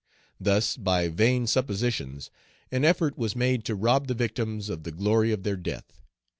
Thus, by vain suppositions, an effort was made to rob the victims of the glory of their death.